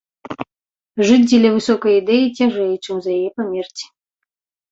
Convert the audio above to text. Жыць дзеля высокай ідэі цяжэй, чым за яе памерці.